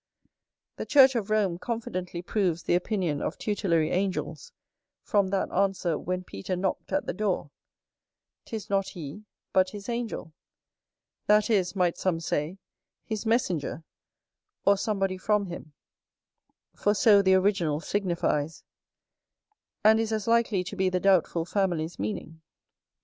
The church of Rome confidently proves the opinion of tutelary angels, from that answer, when Peter knocked at the door, "'Tis not he, but his angel;" that is, might some say, his messenger, or somebody from him; for so the original signifies; and is as likely to be the doubtful family's meaning.